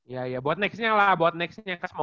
ya ya buat next nya lah buat next nya